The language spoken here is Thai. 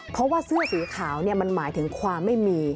เพราะว่าเสื้อสีขาวมันหมายถึงความไม่มี